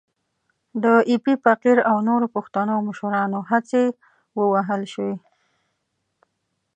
د ایپي فقیر او نورو پښتنو مشرانو هڅې ووهل شوې.